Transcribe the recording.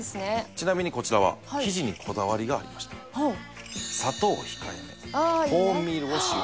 ちなみにこちらは生地にこだわりがありまして砂糖控えめコーンミールを使用